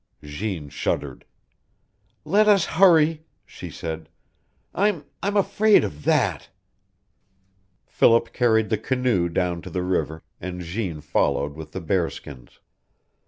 Jeanne shuddered. "Let us hurry," she said. "I'm I'm afraid of THAT!" Philip carried the canoe down to the river, and Jeanne followed with the bearskins.